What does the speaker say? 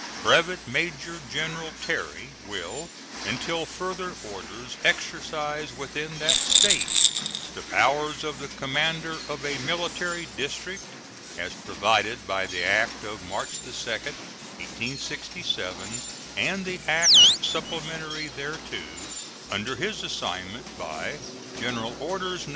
Brevet Major General Terry will until further orders exercise within that State the powers of the commander of a military district, as provided by the act of March 2, 1867, and the acts supplementary thereto, under his assignment by General Orders, No.